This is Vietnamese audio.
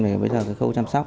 thì bây giờ phải khâu chăm sóc